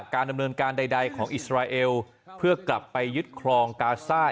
การดำเนินการใดของอิสราเอลเพื่อกลับไปยึดครองกาซ่า